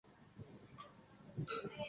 庞祖勒。